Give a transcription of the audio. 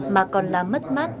mà còn là mất mát